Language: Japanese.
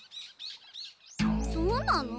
そうなの？